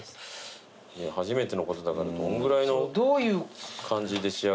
初めてのことだからどんぐらいの感じで仕上がるのかが。